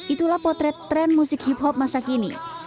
itulah potret tren musik hip hop masa kini